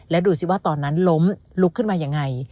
และดูสิว่าตอนนั้นล้มลุกขึ้นมายังไง